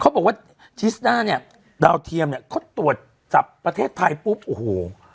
เขาบอกว่าจีสด้าเนี่ยดาวเทียมเนี่ยเขาตรวจจับประเทศไทยปุ๊บโอ้โห